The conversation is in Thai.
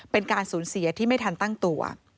เป็นการสูญเสียที่ไม่ทันตั้งตัว